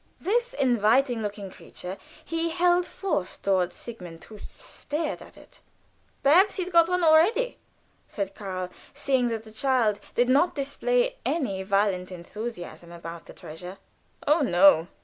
This inviting looking creature he held forth toward Sigmund, who stared at it. "Perhaps he's got one already?" said Karl, seeing that the child did not display any violent enthusiasm about the treasure. "Oh, no!"